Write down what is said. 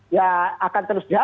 ya akan terus jatuh